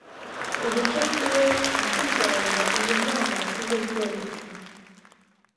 Uduce tumwe by’u Rwanda iyo nama yasize byometswe